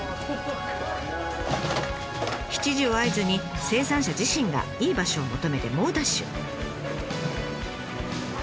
７時を合図に生産者自身がいい場所を求めて猛ダッシュ。